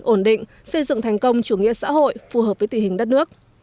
ổn định xây dựng thành công chủ nghĩa xã hội phù hợp với tỷ hình đất nước